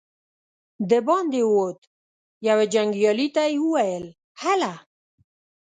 د باندې ووت، يوه جنګيالي ته يې وويل: هله!